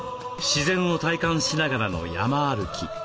自然を体感しながらの山歩き。